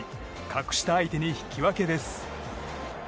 格下相手に引き分けです。